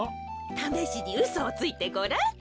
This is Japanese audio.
ためしにうそをついてごらん。